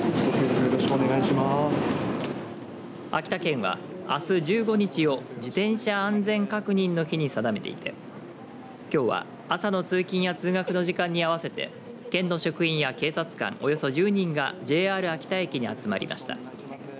秋田県は、あす１５日を自転車安全確認の日に定めていてきょうは朝の通勤や通学の時間に合わせて県の職員や警察官およそ１０人がＪＲ秋田駅に集まりました。